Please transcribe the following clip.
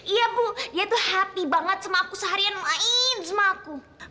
iya bu ya itu happy banget sama aku seharian main sama aku